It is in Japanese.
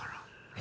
え。